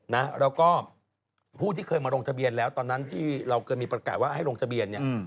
แล้วก็ผู้ที่เคยมาลงทะเบียนแล้วตอนนั้นที่เราเคยมีประกาศว่าให้ลงทะเบียนเนี่ย